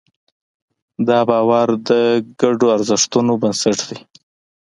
دا باور د ګډو ارزښتونو بنسټ دی.